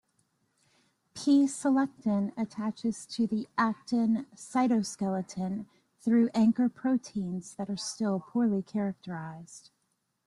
P-selectin attaches to the actin cytoskeleton through anchor proteins that are still poorly characterized.